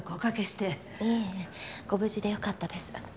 いえご無事でよかったです。